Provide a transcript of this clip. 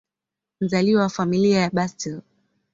Mzaliwa wa Familia ya Bustill.